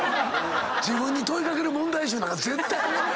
自分に問い掛ける問題集なんか絶対！